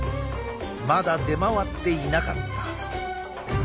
まだ出回っていなかった。